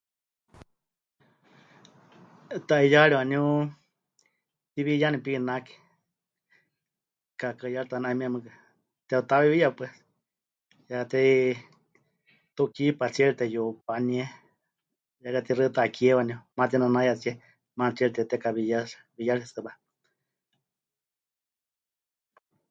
Ta'iyaari waníu mɨtiwiyani pinake, kaakaɨyarita waníu ‘ayumieme mɨɨkɨ tepɨtehawiwiya pues, ya tɨ tukípa tsiere teyupanie, ya katixaɨ takie waníu tematinaanayatsie maana tsiere tepɨtekawiyatsi... wiyatsitɨwa.